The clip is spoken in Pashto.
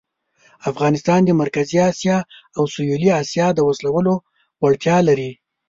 افغانستان د مرکزي آسیا او سویلي آسیا د وصلولو وړتیا لري.